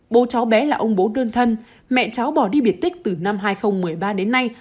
bố cháu bé là ông bố đơn thân mẹ cháu bỏ đi biệt tích từ năm hai nghìn một mươi ba đến nay